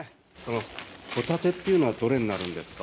ホタテっていうのはどれになるんですか？